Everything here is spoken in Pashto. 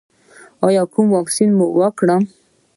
کوم واکسین وکړم؟